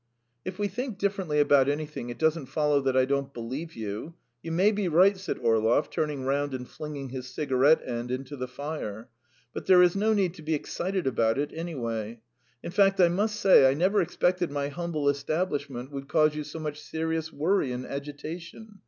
"If we think differently about anything, it doesn't follow that I don't believe you. You may be right," said Orlov, turning round and flinging his cigarette end into the fire, "but there is no need to be excited about it, anyway. In fact, I must say, I never expected my humble establishment would cause you so much serious worry and agitation.